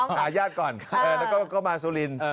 หาญาติก่อนแล้วก็มาสุรินทร์